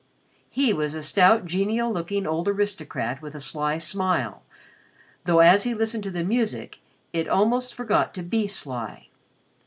He was a stout, genial looking old aristocrat with a sly smile, though, as he listened to the music, it almost forgot to be sly.